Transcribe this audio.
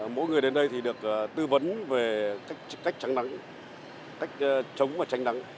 mỗi người đến đây thì được tư vấn về cách trắng nắng cách chống và tránh nắng